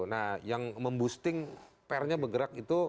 nah yang memboosting pernya bergerak itu